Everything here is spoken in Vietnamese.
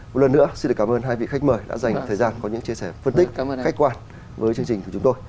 một lần nữa xin được cảm ơn hai vị khách mời đã dành thời gian có những chia sẻ phân tích khách quan với chương trình của chúng tôi